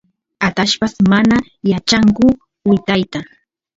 atallpas mana yachanku wytayta